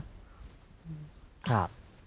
ครับ